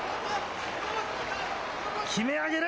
決め上げる。